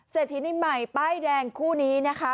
เศรษฐีนีใหม่ป้ายแดงคู่นี้นะคะ